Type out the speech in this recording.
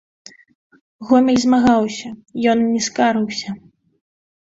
Гомель змагаўся, ён не скарыўся.